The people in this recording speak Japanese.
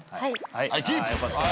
はいキープ。